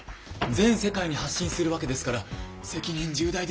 全世界に発信するわけですから責任重大ですよ。